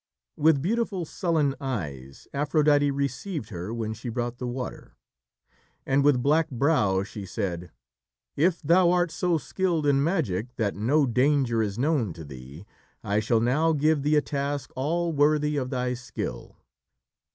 With beautiful, sullen eyes, Aphrodite received her when she brought the water. And, with black brow, she said: "If thou art so skilled in magic that no danger is known to thee, I shall now give thee a task all worthy of thy skill."